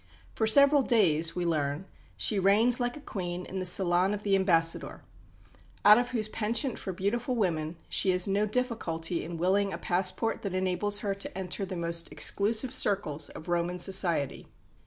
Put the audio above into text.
"For several days," we learn, "she reigns like a Queen in the salon of the Ambassador, out of whose penchant for beautiful women she has no difficulty in wiling a passport that enables her to enter the most exclusive circles of Roman society."